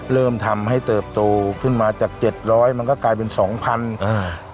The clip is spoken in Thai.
เริ่มทำให้เติบโตขึ้นมาจากเจ็ดร้อยมันก็กลายเป็นสองพันอ่า